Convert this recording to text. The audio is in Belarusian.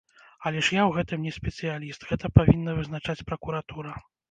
Але ж я ў гэтым не спецыяліст, гэта павінна вызначаць пракуратура.